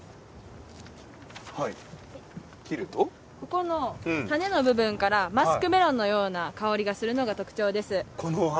ここの、種の部分からマスクメロンのような香りがするのが特長です。